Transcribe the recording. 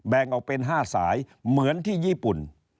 งออกเป็น๕สายเหมือนที่ญี่ปุ่น